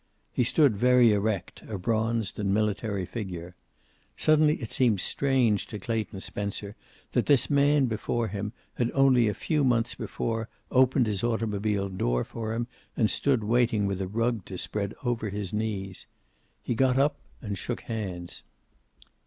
He stood very erect, a bronzed and military figure. Suddenly it seemed strange to Clayton Spencer that this man before him had only a few months before opened his automobile door for him, and stood waiting with a rug to spread over his knees. He got up and shook hands.